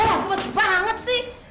oh bos banget sih